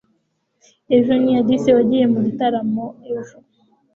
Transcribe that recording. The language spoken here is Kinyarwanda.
ejo ni alice wagiye mu gitaramo ejo